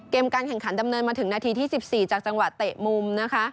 การแข่งขันดำเนินมาถึงนาทีที่๑๔จากจังหวะเตะมุมนะคะ